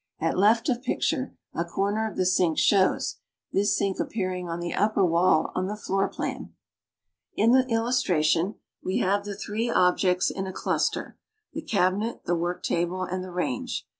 At left of picture, a corner of the sink shows, this sink appearing on the upper wall on the floor plan. In the illustration we have the three objects in a cluster — the cabinet, the work table, and the range.